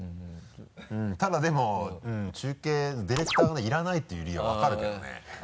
ただでも中継ディレクターがいらないっていう理由は分かるけどね。